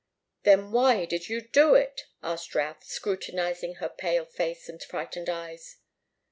"Then why did you do it?" asked Routh, scrutinizing her pale face and frightened eyes.